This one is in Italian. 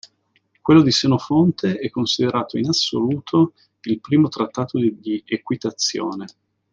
Quello di Senofonte è considerato in assoluto il primo trattato di equitazione.